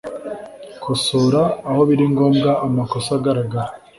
Kosora aho biri ngombwa amakosa agaragara